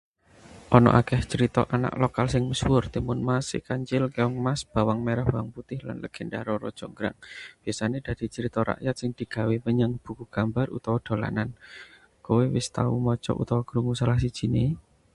Ana akèh crita anak lokal sing misuwur: Timun Mas, Si Kancil, Keong Emas, Bawang Merah Bawang Putih, lan legenda Roro Jonggrang. Biasane dadi crita rakyat sing digawa menyang buku gambar utawa dolanan. Kowe wis tau maca utawa krungu salah sijine?